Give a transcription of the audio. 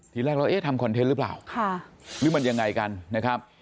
ทีแรกเราเอ๊ะทำคอนเทนต์หรือเปล่าหรือมันยังไงกันนะครับ